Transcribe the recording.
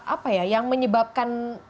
apa ya yang menyebabkan